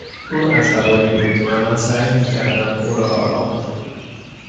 او عصبانی بود و من سعی میکردم او را آرام کنم.